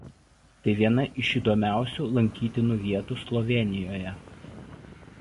Tai viena iš įdomiausių lankytinų vietų Slovėnijoje.